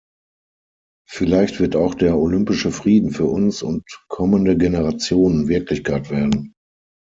Vielleicht wird auch der Olympische Frieden für uns und kommende Generationen Wirklichkeit werden.